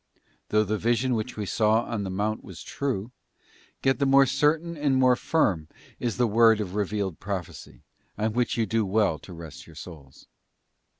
{ Though the vision which we saw on the Mount was true, yet the more certain and more firm is the word of revealed Prophecy, on which you do well to rest your souls.